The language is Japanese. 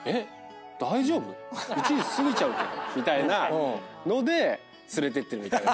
１時過ぎちゃうけどみたいなので連れてってる。